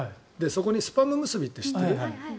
そこにスパムむすびって知ってる？